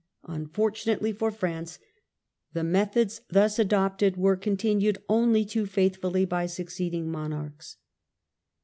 Unfortunately for France the methods thus adopted were continued only too faithfully by succeeding monarchs.